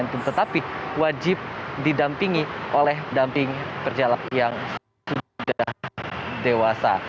tetapi wajib didampingi oleh damping perjalak yang sudah dewasa